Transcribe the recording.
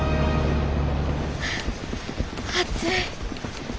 暑い。